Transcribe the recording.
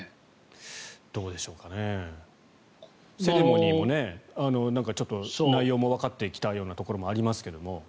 セレモニーもなんかちょっと内容もわかってきたようなところもありますけど。